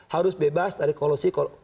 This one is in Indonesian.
harus bebas dari kolosi